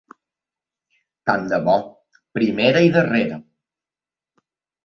Tant de bo, primera i darrera!